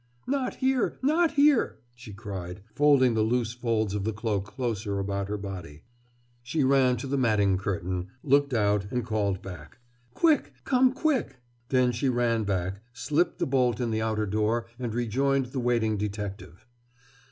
"Not here! Not here!" she cried, folding the loose folds of the cloak closer about her body. She ran to the matting curtain, looked out, and called back, "Quick! Come quick!" Then she ran back, slipped the bolt in the outer door and rejoined the waiting detective.